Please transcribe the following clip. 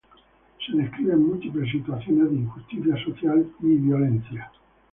Se describen múltiples situaciones de injusticia social y violencia.